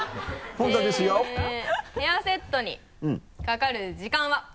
ヘアセットにかかる時間は？